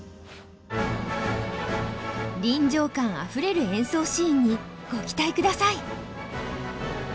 臨場感あふれる演奏シーンにご期待ください！